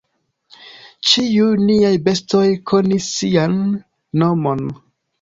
Ĉiuj niaj bestoj konis sian nomon.